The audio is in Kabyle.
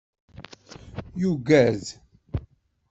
Yuggad.